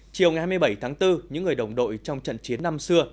chiều ngày hai mươi bảy tháng bốn những người đồng đội trong trận chiến năm xưa